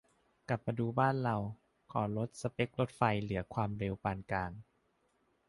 กลับมาดูบ้านเรา ขอลดสเป็กรถไฟเหลือความเร็วปานกลาง